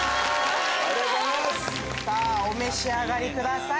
お召し上がりください。